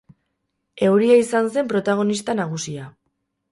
Euria izan zen protagonista nagusia.